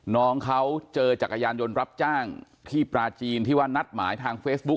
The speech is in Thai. น้องเขาเจอจักรยานยนต์รับจ้างที่ปลาจีนที่ว่านัดหมายทางเฟซบุ๊ค